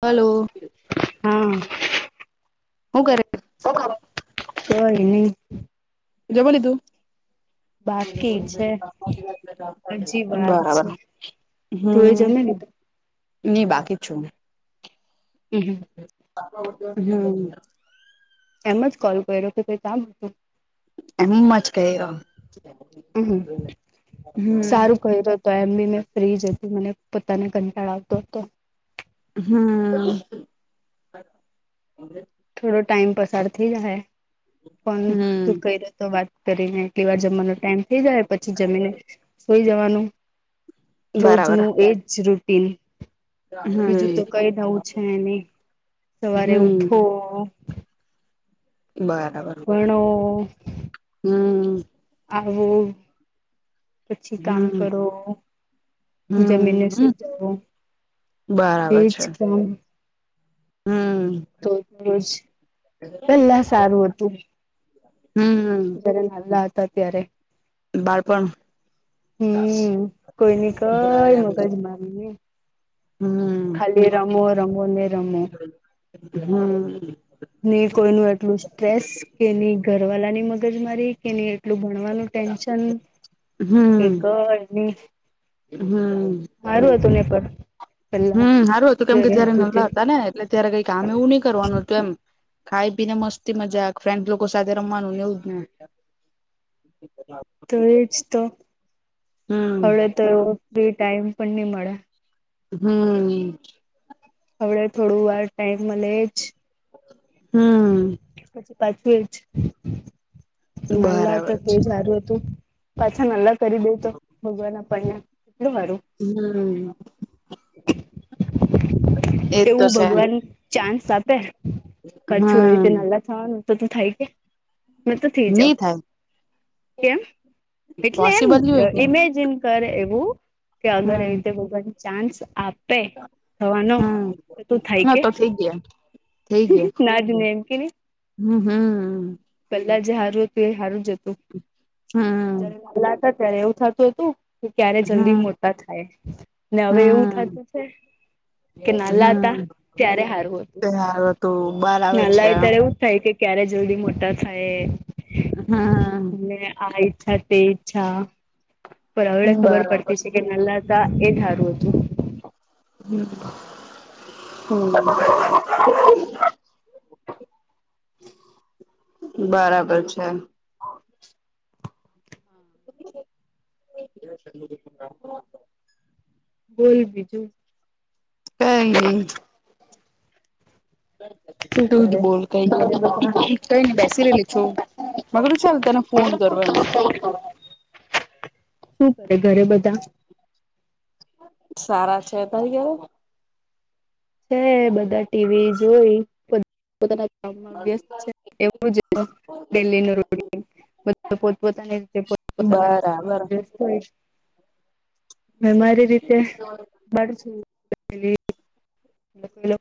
Hello હા હું કરે? કઈ ની જમી લીધું બાકી છે [inaudible] બરાબર તુંયે હમ જમી લીધું ની બાકી છું. હ હ હ એમ જ કોલ કર્યો કે કઈ કામ હતું. એમજ કયરો હમ હમ સારું કર્યો તો એમ બી મેં ફ્રી જતી મને પોતાને કંટાળ આવતો હતો. હમ થોડો ટાઈમ પસાર થઈ જાય ફોન હમ તું કરી તો વાત કરીને તી વાર જમવાનો ટાઈમ થઇ જાય પછી જમીને સુઈ જવાનું બરાબર રોજનું એજ રૂટીન. હમ બીજું તો કઈ નવું છે નઈ સવારે ઉ હમ બરાબર ભણવું હમ આવું પછી કામ હમ કરવુ જમીન હમ બરાબર એજ છે કામ હમ તો રોજ પહેલા સારું હતું હમ જયારે નાનલા હતા ત્યારે. બાળપણ હમ કોઈ ની કઈ બરાબર મગજ મારી નઈ હમ ખાલી રમો રમો ને રમો હમ ની કોઈ નું એટલું સ્ટ્રેસ કે ની ઘરવાલાની મગજ મારી કે ની એટલું ભણવાનું ટેન્શન કે હમ કઈ ની હમ મારું હતું ને પણ. પેલા હમ હારું હતું કેમ કે જયારે હતું તે નાનલા હતા ને એટલે ત્યારે કઈ કામ એવું નઈ કરવાનું હતું એમ. ખાઈ પી ને મસ્તી મજાક ફ્રેન્ડ લોકો સાથે રમવાનું ને એવું જ ને [inaudible] તો એજ તો હવડે તો ફ્રી ટાઈમ પણ ની મળે હમ હડ થોડું વાર ટાઈમ મળે જ હમ પાચ જ માલા બરાબર હતા તે છે સારું હતું. પાછા નલ્લા કરી દે તો ભગવાન આપણ્યા કેટલું હારુ. હમ એજ તો તેવું છે ભગવાન ચાન્સ આપે પાછું એ રીતે હમ નાલા થવાનું તો તું થાય કે મત થ જાવ નહી થાય કેમ એટલે એમ પોસિબલ નહી હોય કે ઇમેજિન કરે એવું કે અગર એ હમ રીતે ભગને ચાન્સ આપ થવા ન તો તું થાય કે થી ગયા થઈ ગયા નાજને એમ કે હમ હમ પેલા જે હારું હતું એ સારું જ હતું હમ જયારે માલા હતા ત્યારે એવું થતું હતું કે ક્યારે જલ્દી હમ મોટા થાય ને હવે એવું હમ થતું છે કે નાલા હતા ત્યારે સારું હતું હાર તો બ નાલાઈ ત્યારે ઉઊ્ થ ક્યારે જલ્દી મોટા થાય હમ અને આ ઈચ્છા તે ઈચ્છા પણ હવેડે ખબર બરાબર પડતી છે કે નલાતા એ ધારું હતું હ હમ હ બરાબર છે હા [inaudible] બોલ બીજું કઈ નહી ીક [inaudible] તું જ બોલ કઈ કઈ નઈ બેસી રહેલી છું મેં કીધું ચાલ તને શું ફોન કરું એમ કરે ઘરે બધા સારા છે તયાર હ બધા ટીવી જોઈ પોતાના કામમાં વ્યસ્ત છે એવું દેહી ન રોડ બધ પોતપોતાની રીતે પોતપતાના બરાબર હ મારી રીતે બાડ એ કલો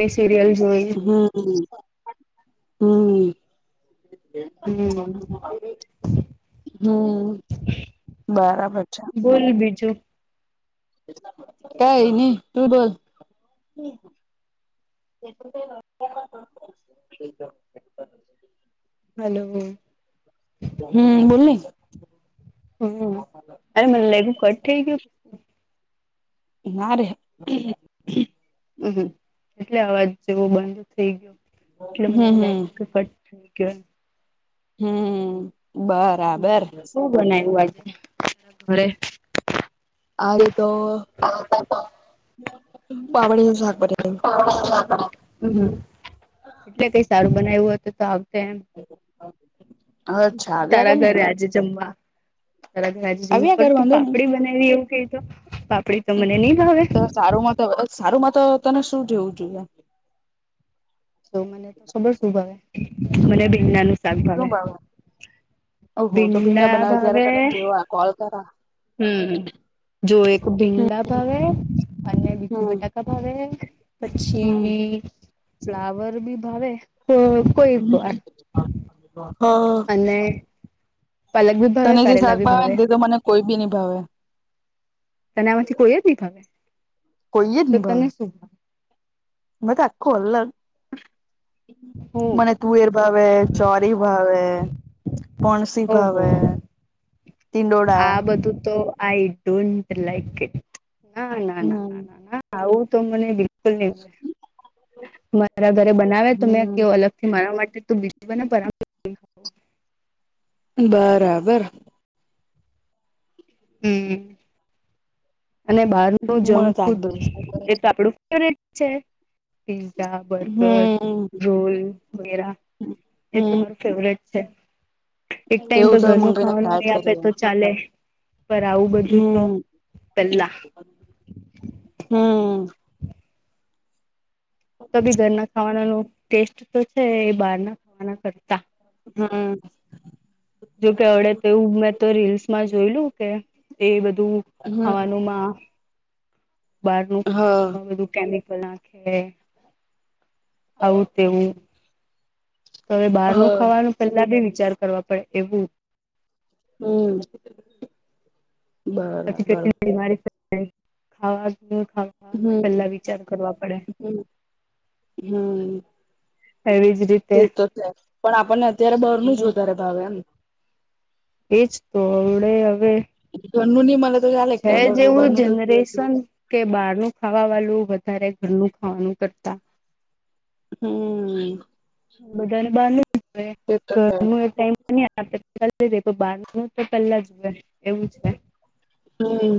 મે સિરિયલ જોઈ હમ હમ હમ બરાબર છે બોલ બીજું કઈ નહી તું બોલ [inaudible] હલો હમ બોલી હમ અરે મને લાગ્યું કટ થઈ ગયું ના ર હમ એટલે અવાજ જેવો બંધ થઈ ગયો એટલે મને હમ એવું હમ લાગ્યું કે ફટ થ કે. હમ બર. શું બનાવ્યું આજે ઘરે? આજે તો પાપડીનું શાક હતુ. એટલે કઈ સારું બનાવ્યું હો હતું તો આવત એમ. હ. તારા ઘરે આજે જમવા. તજે જમવા આવ્યા કર પડ તું વાંધો નઈ પાપડી બનાવી એવું ક તો પાપડી તો મને નહી ભાવે. તો સારુંમાં તો સારું માં તો તને શું જવું જોઈએ? તો મને તો ખબર શું ભાવ મને બી ના ન શાક ભાવે. ઓહો તો ભીંડા બનાવે જયારે તને કેવા કોલ કરા. હમ જો એક ભીંડા ભાવ અને બીજું હમ બેટા. ભાવે હમ પછી ફ્લાવર બી ભાવે તો. હ હા. અને પલક ભી ભવે તને જે કરેલા શાક ભી ભાવે ભવે. ને તે તો મને કોઈ બી નિભાવે. તને આમાંથી કોઈ જ નહી ફવે કોઈ તો તને શું. બ તો આખું અલગ હું મને. તુવેર ભાવે ચોરી ભાવે પોણસી ઓહો ભાવે. ટિંડોળા આ બધું તો આઈ ડોન્ટ લઇક ઇટ ના ના ના હમ ના ના ના. આવું તો મને બિલકુલ નહી મારા ઘરે બનાવે તો મેં કેવું હમ અલગ મારા માટે તો બીજું બને. બરાબર. હમ. અને બહાર ન મને જંક તો આજ ફૂડ? બધું શાક ભાવે એ તો આપડું ફેવરિટ છે. પિઝા બર્ગર હમ રોલ વગેરા એ હમ તમારું. ફવટ છે એક ટાઈમ એવું તો ઘરનું મંગાઈને ખાવાનું ખાયા જ નહી આપે કરીએ તો ચાલે. પર આવું બધું તો હમ પહેલા. હમ. તો ભી ઘરના ખાવાના ન ટેસ્ટ તો છે એ બહાર ના ખાવાના કરતા. હમ. જોકે અડે તોવું મેં તો રીલ્સમાં જોયલું કે એ બધું. હમ ાવાનું બાર ન હા ખાવાનું બું. ખે આવું તેવું. હવે બહાર ન હા ખાવાનું પહેલા બી વિચાર કરવા પડે એવું. હમ. પછી કેટ બરાબર બીમારી ખાવાવા. હ હમ પેલા વિચાર કરવા પડે. હમ હમ એવી જ રીતે તે તો છે. પણ આપણને અત્યારે બહાર ન જ વધારે ભાવે એમ. એજ તો. હડે હવે ધની મ છે જેવું જનરેશન. કે બહાર નું ખાવા વાળું વધારે ઘરનું ખાવાનું કરતા. હમ. બધાને તે તો બાંધ છે ઘરનું એ ટમ. પલાઈ દે બાર તો પહેલા જુએ એવું છે. હમ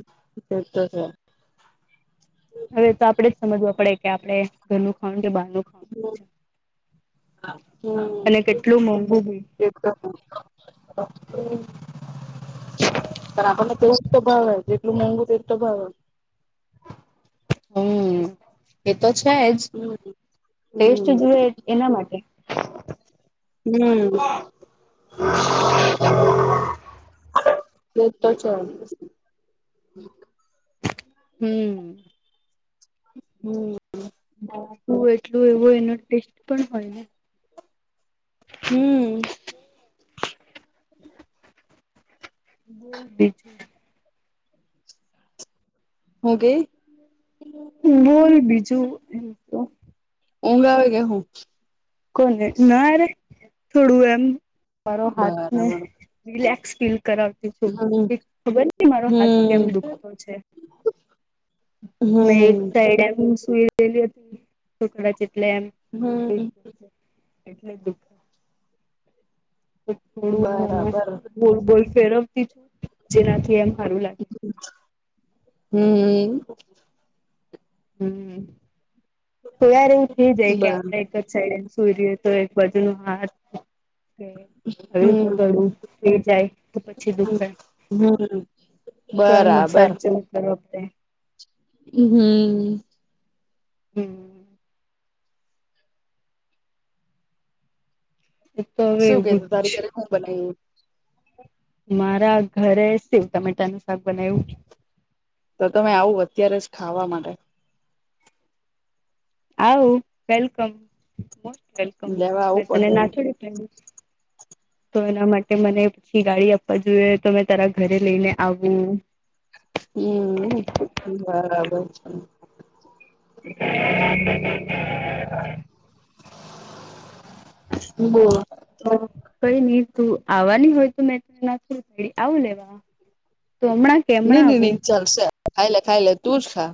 તો. હવે તો આપડે જ સમજવા પડે કે આપણે ઘરનું ખાવાનું કે બહારનું. અને કેટલું મોંઘું ભ. [inaudible] પણ આપણને તેવું જ તો ભાવે, જેટલું મહેઘું તે જ તો ભાવે. હમ્મ, એ તો છે જ. હમ ટેસ્ટ હમ જોએ એના માટે. હમ્મ. એ જ તો છે. હમ્મ. હમ્મ. [unintelligible] એટલું એવું એનો ટેસ્ટ પણ હોય ને. હમ્મ. બોલ બીજું. હું કેય? બોલ બીજું એમ. તો ઊંઘ આવે કે હું? કોને? ના રે, થોડું એમ, મારો હાથ ને બરાબર રિલેક્સ ફીલ કરાવ તી છું. હમ કે ખબર નહીં મારો હાથ કેમ હમ દુખતો છે. મે એક હમ સાઈડ એમ સુઈ [inaudible] એટલે એમ હમ્મ. એટલે દુખ બરાબર [inaudible] ગોલ-ગોલ ફેરવતી છું, જેનાથી એમ હારું લાગે. હમ્મ. હમ્મ. તો યાર એવું થઇ જાય કે બર આપડે એક જ સાઈડ એજ સૂઈ રહીએ તો એક બાજુ નો હાથ દુખે, આવી હમ રીતના [unintelligible] થઈ જાય તો પછી દુખે. હમ્મ. તો એમ મસાજ જેવું કરવો પડે. હમ્મ. હમ્મ. એ તો હવે શું કે એવું તું જ તારી ઘરે હું બનાઈવું? મારા ઘરે સેવ ટમેટા નું શાક બનાવ્યું. તો-તો મે આવું અત્યારે જ ખાવા માટે. આવો, વેલકમ, મોસ્ટ વેલકમ, લેવા મે આવું તને પડે ના થોડી પાયડી. તો એના માટે મને પછી ગાડી આપવા જોઈએ, તો મેં તારા ઘરે લઈને આવું. હમ્મ, બરાબર છે. [inaudible] [unintelligible] તો કંઈ નઈ તું આવવાની હોય, તો મેં [unintelligible] આવું લેવા. તો હમણા ની-ની-ની ચાલશે ખાઈ લે, ખાઈ લે, તું જ ખા.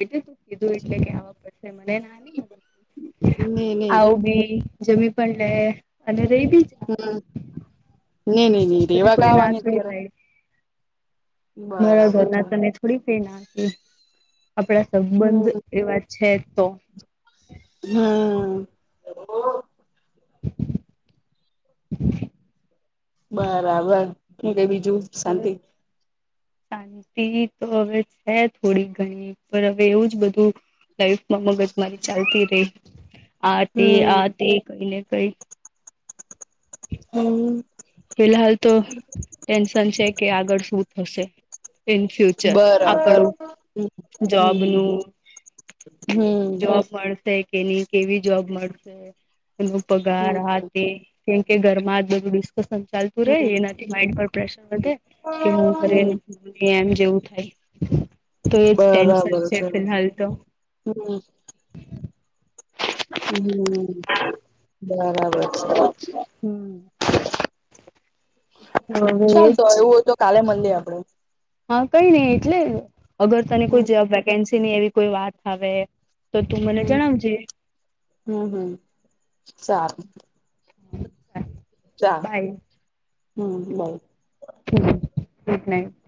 બીજું તું કીધું એટલે કે આવવા પડશે મને ના ની, નઈ નઈ આવું બી જમી પણ લે, અને રહી બી જા. હમ્મ. ની-ની-ની તને રહેવા કોઈ ના કાવાની થોડી અત્યારે- પાડી મારા બરાબર ઘરના છે તને થોડી કે ના કહે, આપડા સંબંધ હમ એવા છે તો. હમ્મ. [inaudible] બરાબર. હું કેય બીજું? હવે, શાંતિ શાંતિ તો હવે છે થોડી ઘણી પણ હવે એવું જ બધું લાઈફમાં મગજમારી ચાલતી રહી, આ તે, હમ આ તે, કંઈ ને કંઈ. હમ્મ ફિહાલ તો ટેન્શન છે કે આગળ શું થશે. ઇન ફ્યુચર બરાબર આપણું જોબનું. હમ હમ હમ જોબ મળશે તેની કેવી જોબ મળશે એ પગાર હમ આ તે. કેમ કે ઘરમાં આજ બધું ડિસ્કસન ચાલ પૂરે હમ એનાથી માઇડ પર પ્રેશર વધે કે હું કરે હમ પછી એમ જેવું થાય. તો એજ ટેન્શન છે ફિલહાલ તો. હમ હમમ બરાબર છે. હમ્મ. હવે ચાલ તો એજ એવું હોય તો કાલે મંળીએ આપડે. હા કઈ નહી એટલે અગર તને હમ કોઈ જબ વેકેન્સીની એવી કોઈ વાત આવે. તો તું મને જણાવજે. હમ્મ હમ્મ સારુ. ચા બાય હમ્મ બહુ. Good night.